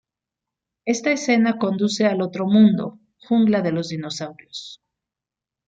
Esta escena conduce al otro mundo, Jungla de los Dinosaurios.